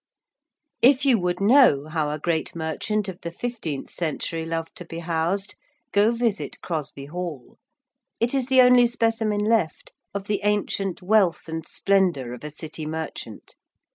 If you would know how a great merchant of the fifteenth century loved to be housed, go visit Crosby Hall. It is the only specimen left of the ancient wealth and splendour of a City merchant.